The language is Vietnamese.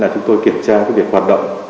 chúng tôi kiểm tra việc hoạt động